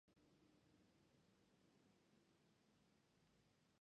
Դեղերը կարող են օգտագործվել օրալ, ներանոթային կամ տեղային։